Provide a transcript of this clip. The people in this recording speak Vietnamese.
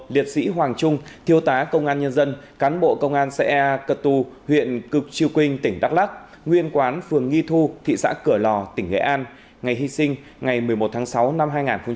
một liệt sĩ hoàng trung thiếu tá công an nhân dân cán bộ công an xe cật tù huyện cực triều quynh tỉnh đắk lắc nguyên quán phường nghi thu thị xã cửa lò tỉnh nghệ an ngày hy sinh ngày một mươi một tháng sáu năm hai nghìn hai mươi ba